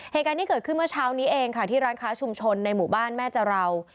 เหตุการณ์ที่เกิดขึ้นเมื่อเช้านี้เองค่ะที่ร้านค้าชุมชนในหมู่บ้านแม่จะราว